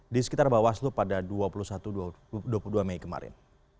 di sekitar bawaslu pada dua puluh satu dua puluh dua mei kemarin